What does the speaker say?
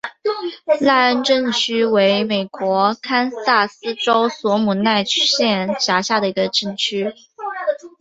赖恩镇区为美国堪萨斯州索姆奈县辖下的镇区。